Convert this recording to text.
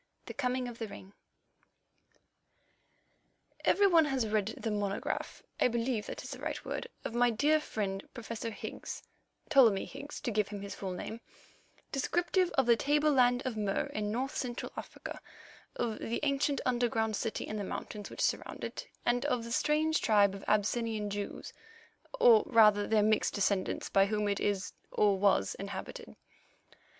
THE COMING OF THE RING Every one has read the monograph, I believe that is the right word, of my dear friend, Professor Higgs—Ptolemy Higgs to give him his full name—descriptive of the tableland of Mur in North Central Africa, of the ancient underground city in the mountains which surrounded it, and of the strange tribe of Abyssinian Jews, or rather their mixed descendants, by whom it is, or was, inhabited.